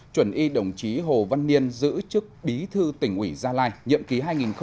chuẩn y đồng chí hồ văn niên giữ chức bí thư tỉnh ủy gia lai nhiệm ký hai nghìn một mươi năm hai nghìn hai mươi